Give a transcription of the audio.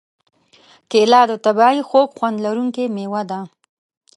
کېله د طبعیي خوږ خوند لرونکې مېوه ده.